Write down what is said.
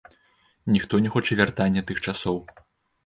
Ніхто не хоча вяртання тых часоў.